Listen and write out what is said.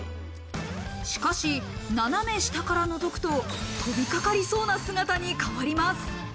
しかし、斜め下から覗くと飛び掛かりそうな姿に変わります。